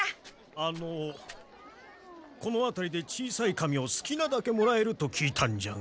あのこのあたりで小さい紙をすきなだけもらえると聞いたんじゃが。